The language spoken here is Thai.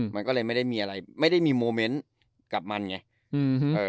มันก็เลยไม่ได้มีอะไรไม่ได้มีโมเมนต์กับมันไง